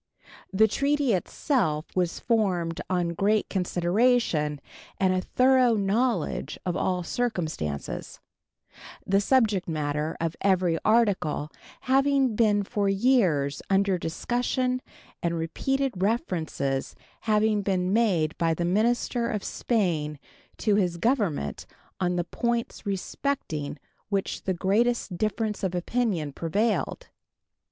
The treaty itself was formed on great consideration and a thorough knowledge of all circumstances, the subject matter of every article having been for years under discussion and repeated references having been made by the minister of Spain to his Government on the points respecting which the greatest difference of opinion prevailed.